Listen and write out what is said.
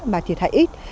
mà thiệt hại ít